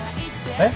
えっ？